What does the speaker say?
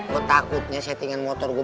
gua takutnya settingan motor gua